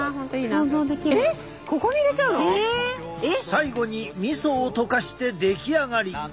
最後にみそを溶かして出来上がり。